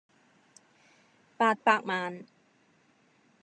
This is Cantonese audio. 八百萬